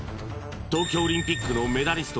東京オリンピックのメダリスト